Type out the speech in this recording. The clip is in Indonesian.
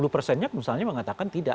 lima puluh persennya misalnya mengatakan tidak